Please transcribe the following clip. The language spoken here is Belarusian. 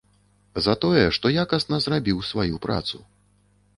За тое, што якасна зрабіў сваю працу.